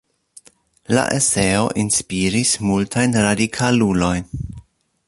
La eseo inspiris multajn radikalulojn.